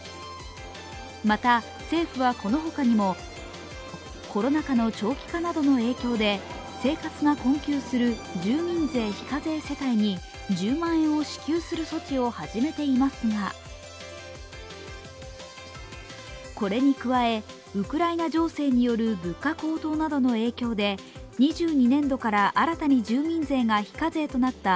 また、政府はこの他にもコロナ禍の長期化などの影響で生活が困窮する住民税非課税世帯に１０万円を支給する措置を始めていますがこれに加え、ウクライナ情勢による物価高騰などの影響で２２年度から新たに住民税が非課税となった